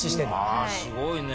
わあすごいね。